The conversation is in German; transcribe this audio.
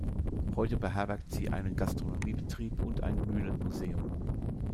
Heute beherbergt sie einen Gastronomiebetrieb und ein Mühlenmuseum.